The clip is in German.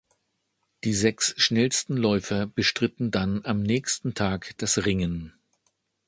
Die sechs schnellsten Läufer bestritten dann am nächsten Tag das Ringen.